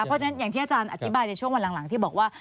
เพราะฉะนั้นอย่างที่อาจารย์อธิบายในช่วงวันหลังที่บอกว่า